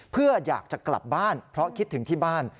เพื่ออยากจะกลับบ้านเพราะคิดถึงที่บ้าน